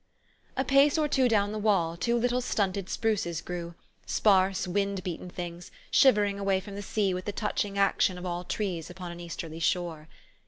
A pace or two down the wall, two little stunted spruces grew, sparse, wind beaten things, shiver ing away from the sea with the touching action of all trees upon an easterly shore.